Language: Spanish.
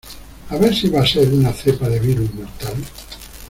a ver si va a ser una cepa de virus mortal.